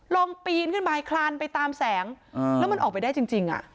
ลองปีนขึ้นไปคลานไปตามแสงแล้วมันออกไปได้จริงอ่ะ